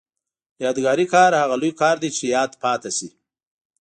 یادګاري کار هغه لوی کار دی چې یاد پاتې شي.